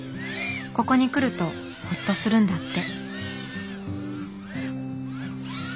ここに来るとホッとするんだって。